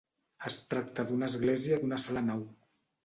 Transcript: Es tracta d'una església d'una sola nau.